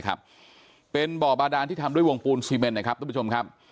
ครับเป็นบ่อบาดานที่ทำด้วยวงปูนซีเมนนะครับทุกผู้ชมครับ